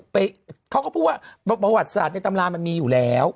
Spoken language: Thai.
เขาก็พูดว่าประวัติศาสตร์ในตำรามันมีอยู่แล้ว